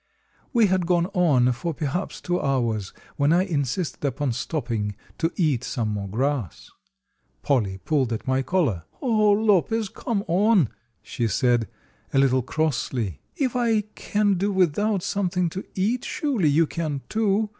We had gone on for perhaps two hours, when I insisted upon stopping to eat some more grass. Polly pulled at my collar. "Oh, Lopez, come on," she said, a little crossly. "If I can do without something to eat, surely you can, too."